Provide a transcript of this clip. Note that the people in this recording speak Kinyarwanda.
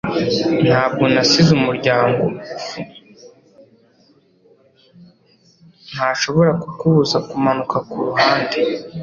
ntashobora kukubuza kumanuka kuruhande